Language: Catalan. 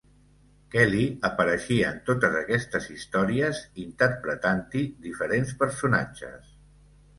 Kelly apareixia en totes aquestes històries interpretant-hi diferents personatges.